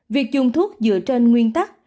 việc dùng thuốc dựa trên nguyên tắc